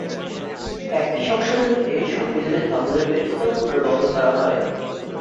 একই সংশোধনীতে সংবিধানে ধর্মনিরপেক্ষতাও পুনর্বহাল করা হয়।